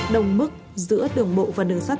đồng mức giữa đường bộ và đường sắt